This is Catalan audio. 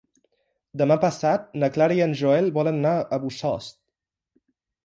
Demà passat na Clara i en Joel volen anar a Bossòst.